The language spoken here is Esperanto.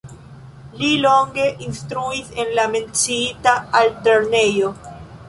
Li longe instruis en la menciita altlernejo.